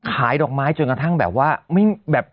ใครจะไปเก็บ